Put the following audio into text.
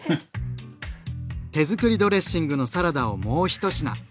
手づくりドレッシングのサラダをもう一品。